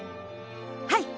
はい！